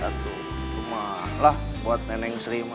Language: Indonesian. aduh malah buat neneng sri mah